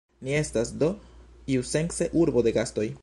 Ni estas, do, iusence urbo de gastoj.